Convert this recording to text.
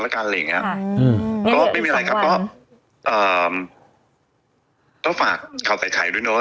แล้วกันอะไรอย่างเงี้ยอืมก็ไม่มีอะไรครับก็เอ่อก็ฝากข่าวใส่ไข่ด้วยเนอะ